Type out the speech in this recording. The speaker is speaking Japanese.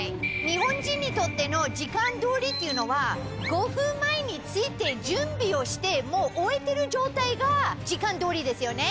日本人にとっての時間どおりっていうのは５分前に着いて準備をしてもう終えてる状態が時間どおりですよね。